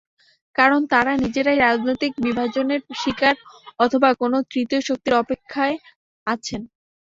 কারণ, তাঁরা নিজেরাই রাজনৈতিক বিভাজনের শিকার অথবা কোনো তৃতীয় শক্তির অপেক্ষায় আছেন।